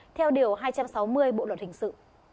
theo điều hai trăm sáu mươi bộ luật hình sự